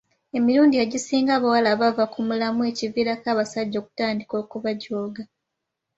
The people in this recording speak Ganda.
Emirundi egisinga abawala bava ku mulamwa ekiviirako abasajja okutandika okubajooga.